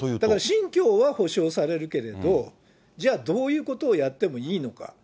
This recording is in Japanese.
信教は保障されるけれど、じゃあ、どういうことをやってもいいのか。